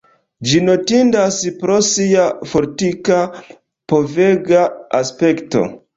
Ĝi notindas pro sia fortika povega aspekto.